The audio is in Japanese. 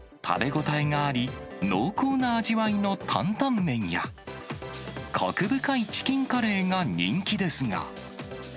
食べ応えがあり、濃厚な味わいの担々麺や、こく深いチキンカレーが人気ですが。